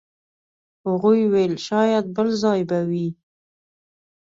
هغوی ویل شاید بل ځای به وئ.